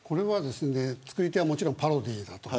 作り手はもちろんパロディーだと。